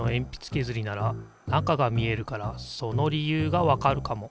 けずりなら中が見えるからその理由がわかるかも。